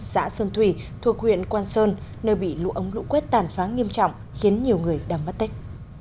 xã sơn thủy thuộc huyện quan sơn nơi bị lũ ống lũ quét tàn phá nghiêm trọng khiến nhiều người đầm mất tích